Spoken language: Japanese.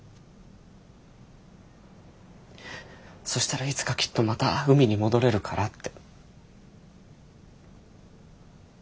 そしたらいつかきっとまた海に戻れるからって。